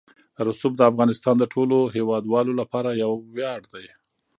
رسوب د افغانستان د ټولو هیوادوالو لپاره یو ویاړ دی.